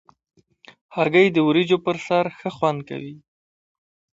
هګۍ د وریجو پر سر ښه خوند کوي.